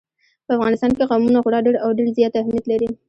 په افغانستان کې قومونه خورا ډېر او ډېر زیات اهمیت لري.